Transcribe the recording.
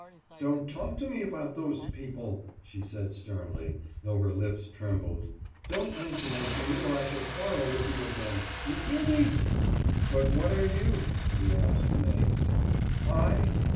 « »Don't talk to me about those people,« she said sternly, though her lips trembled. »Don't mention them to me or I shall quarrel with you again. You hear me?« »But what are you?« he asked amazed. »I?